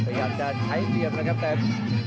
สะยับเดินใช้เตียบเลยครับเต็ม